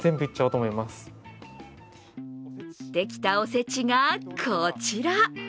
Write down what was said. できたおせちが、こちら。